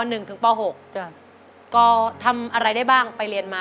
เพื่อก็ทำอะไรได้บ้างไปเรียนมา